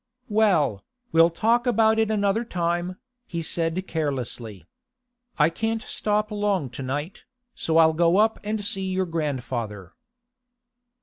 'Well, we'll talk about it another time,' he said carelessly. 'I can't stop long to night, so I'll go up and see your grandfather.